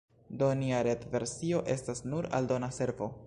Do nia retversio estas nur aldona servo.